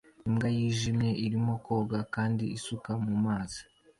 Imbwa yijimye irimo koga kandi isuka mu mazi